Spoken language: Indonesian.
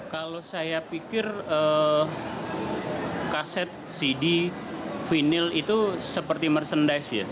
kalau saya pikir kaset cd vinil itu seperti merchandise ya